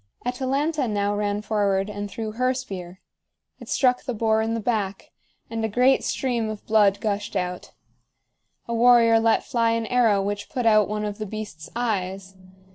Atalanta now ran forward and threw her spear. It struck the boar in the back, and a great stream of blood gushed out. A warrior let fly an arrow which put out one of the beast's eyes.